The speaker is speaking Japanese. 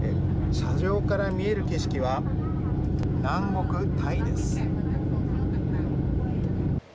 車上から見える景色は南国タイです。